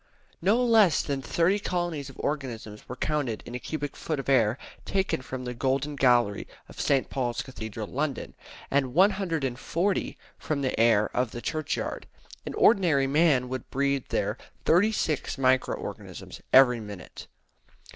No less than thirty colonies of organisms were counted in a cubic foot of air taken from the Golden Gallery of St. Paul's Cathedral, London, and 140 from the air of the churchyard. An ordinary man would breathe there thirty six micro organisms every minute.